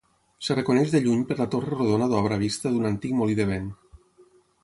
Es reconeix de lluny per la torre rodona d'obra vista d'un antic molí de vent.